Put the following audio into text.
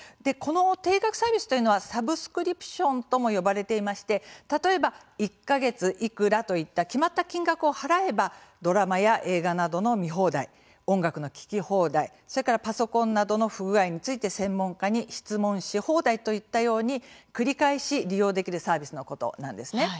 定額サービスというのはサブスクリプションとも呼ばれていまして例えば、１か月いくらといった決まった金額を払えばドラマや映画などの見放題音楽の聴き放題、それからパソコンなどの不具合について専門家に質問し放題といったように繰り返し利用できるサービスのことなんですね。